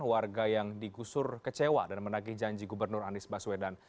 warga yang digusur kecewa dan menagih janji gubernur anies baswedan